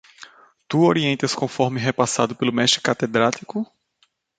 Tu orientas conforme repassado pelo mestre catedrático?